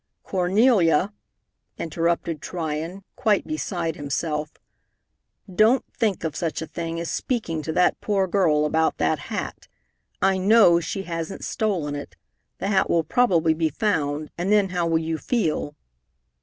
"Cornelia," interrupted Tryon, quite beside himself, "don't think of such a thing as speaking to that poor girl about that hat. I know she hasn't stolen it. The hat will probably be found, and then how will you feel?"